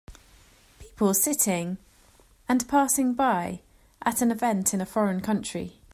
People sitting and passing by at an event in a foreign country.